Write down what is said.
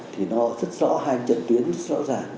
thì nó rất rõ hai trận tuyến rõ ràng